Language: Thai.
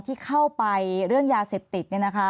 ที่เข้าไปเรื่องยาเสพติด